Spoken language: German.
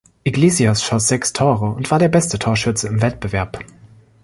Iglesias schoss sechs Tore und war der beste Torschütze im Wettbewerb.